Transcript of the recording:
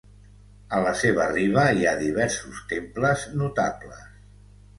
A la seva riba hi ha diversos temples notables.